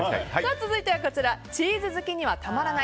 続いてチーズ好きにはたまらない